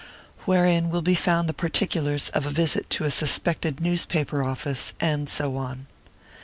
WHEREIN WILL BE FOUND THE PARTICULARS OF A VISIT TO A SUS PECTED NEWSPAPER OFFICE, AND SO ON.